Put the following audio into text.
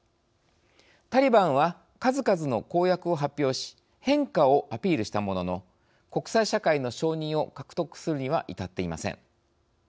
タリバンは、数々の公約を発表し変化をアピールしたものの国際社会の承認を獲得するには至っていません。